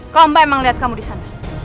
kalau mbak emang lihat kamu di sana